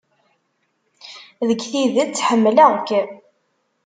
Deg tidet, ḥemmleɣ-k.